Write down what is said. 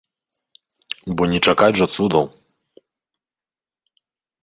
Бо не чакаць жа цудаў!